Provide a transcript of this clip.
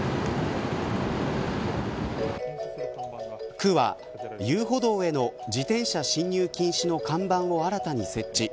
区は、遊歩道への自転車進入禁止の看板を新たに設置。